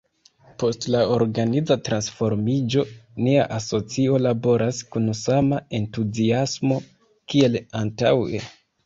Post la organiza transformiĝo nia asocio laboras kun sama entuziasmo kiel antaŭe.